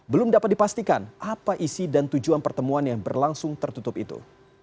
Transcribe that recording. belum dapat dipastikan apa isi dan tujuan pertemuan yang berlangsung tertutup itu